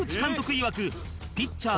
いわくピッチャー